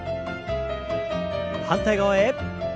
反対側へ。